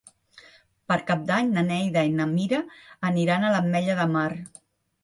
Per Cap d'Any na Neida i na Mira aniran a l'Ametlla de Mar.